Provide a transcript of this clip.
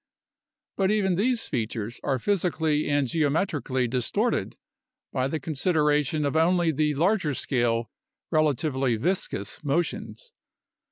But even these features are physically and geometrically distorted by the con sideration of only the larger scale, relatively viscous motions.